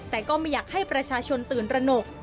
แต่ก็ไม่อยากให้ประชาชนตื่นตระหนก